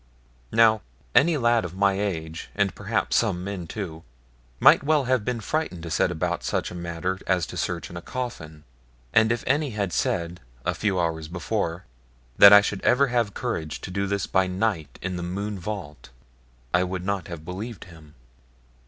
Now, any lad of my age, and perhaps some men too, might well have been frightened to set about such a matter as to search in a coffin; and if any had said, a few hours before, that I should ever have courage to do this by night in the Mohune vault, I would not have believed him.